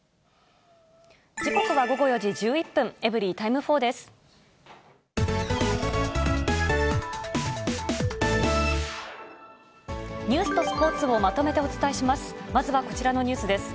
時刻は午後４時１１分、エブリィタイム４です。